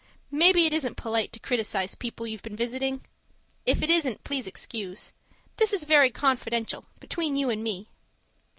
Maybe it isn't polite to criticize people you've been visiting? If it isn't, please excuse. This is very confidential, between you and me.